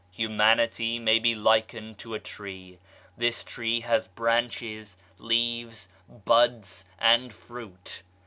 Humanity may be likened to a Tree. This Tree has branches, leaves, buds and fruit.